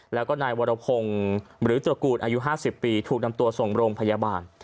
แล้วก็นายวรพงศ์หรือตระกูลอายุ๕๐ปีถูกนำตัวส่งโรงพยาบาล